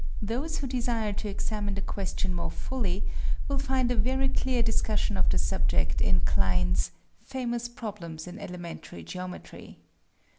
Those who desire to examine the question more fully, will find a very clear discussion of the subject in Klein's "Famous Problems in Elementary Geometry."